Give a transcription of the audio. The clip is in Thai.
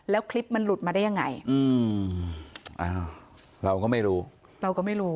แล้วคลิปมันหลุดมาได้ยังไงอืมอ้าวเราก็ไม่รู้เราก็ไม่รู้